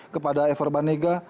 kepada ever banega